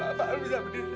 papa harus bisa berdiri